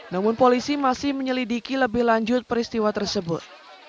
namun polisi masih menyelidiki lebih lanjut peristiwa tersebut